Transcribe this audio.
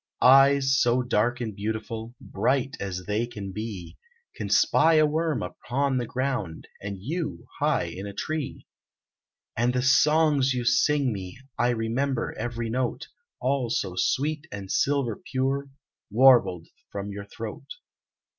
Eyes so dark and beautiful, Bright as they can be, Can spy a worm upon the ground, And you high in a tree. And the songs you sing me! I remember every note, All so sweet and silver pure, Warbled from your throat.